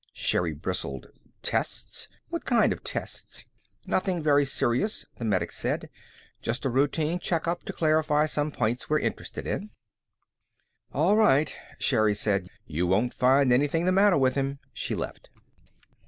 Sherri bristled. "Tests? What kind of tests?" "Nothing very serious," the medic said. "Just a routine checkup to clarify some points we're interested in." "All right," Sherri said. "You won't find anything the matter with him." She left.